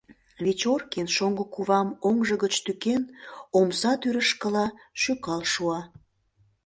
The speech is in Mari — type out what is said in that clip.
Вечоркин, шоҥго кувам оҥжо гыч тӱкен, омса тӱрышкыла шӱкал шуа.